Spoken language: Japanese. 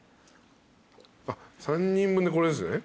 あっ３人分でこれですよね？